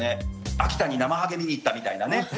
秋田になまはげ見に行ったみたいなね。